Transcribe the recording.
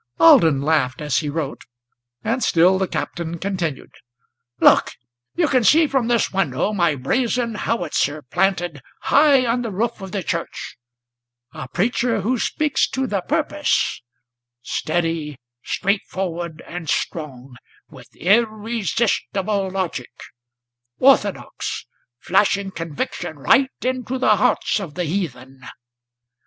Alden laughed as he wrote, and still the Captain continued: "Look! you can see from this window my brazen howitzer planted High on the roof of the church, a preacher who speaks to the purpose, Steady, straight forward, and strong, with irresistible logic, Orthodox, flashing conviction right into the hearts of the heathen.